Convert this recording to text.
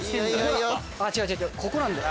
違う違うここなんだよ。